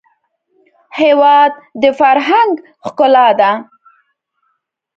هېواد د فرهنګ ښکلا ده.